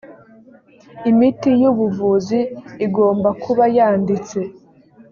imiti y’ubuvuzi igomba kuba yanditse